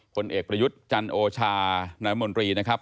ผลเอกประยุทธ์จันโอชานายมนตรีนะครับ